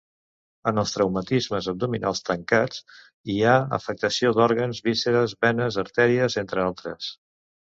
En els traumatismes abdominals tancats hi ha afectació d'òrgans, vísceres, venes, artèries, entre altres.